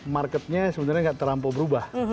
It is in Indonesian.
marketnya sebenarnya nggak terlampau berubah